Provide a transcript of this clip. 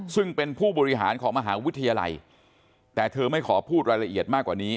ซึ่งเป็นผู้บริหารของมหาวิทยาลัยแต่เธอไม่ขอพูดรายละเอียดมากกว่านี้